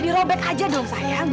dirobek ajaan sayang